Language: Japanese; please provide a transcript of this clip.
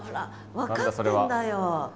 分かってんだよ。